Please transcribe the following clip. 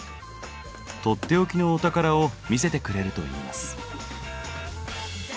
取って置きのお宝を見せてくれるといいます。